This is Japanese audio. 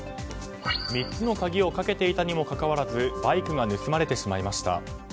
３つの鍵をかけていたにもかかわらずバイクが盗まれてしまいました。